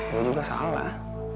gue juga salah